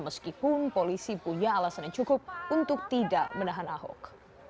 meskipun polisi punya alasan yang cukup untuk tidak menahan ahok